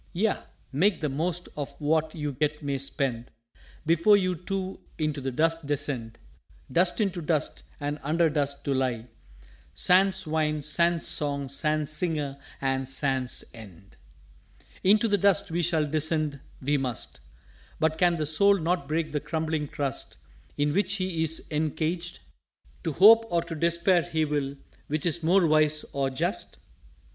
"_Yea, make the most of what you yet may spend, Before we too into the Dust descend; Dust into Dust, and under Dust, to lie, Sans Wine, sans Song, sans Singer, and sans End!_" "Into the Dust we shall descend we must. But can the soul not break the crumbling Crust In which he is encaged? To hope or to Despair he will which is more wise or just?"